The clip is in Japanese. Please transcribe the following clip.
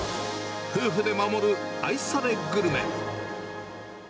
夫婦で守る愛されグルメ。